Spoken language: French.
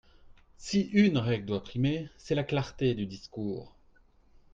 Si une règle doit primer, c’est la clarté du discours.